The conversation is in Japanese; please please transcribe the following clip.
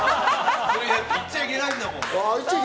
言っちゃいけないんだもん。